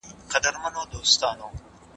ښځې په ارمان سره د کبابو رنګ ته کتل.